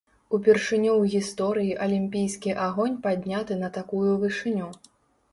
Упершыню ў гісторыі алімпійскі агонь падняты на такую вышыню.